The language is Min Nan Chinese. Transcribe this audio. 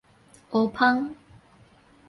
烏蜂